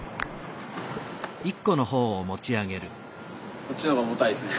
こっちの方が重たいっすね